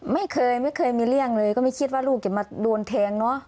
ไม่เคยไม่เคยมีเรื่องเลยก็ไม่คิดว่าลูกจะมาโดนแทงเนอะ